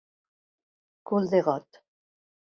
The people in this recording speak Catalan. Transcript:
Cul de got.